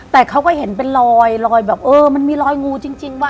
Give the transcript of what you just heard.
แต่เขาก็เห็นเป็นรอยลอยแบบเออมันมีรอยงูจริงว่